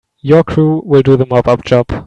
Your crew will do the mop up job.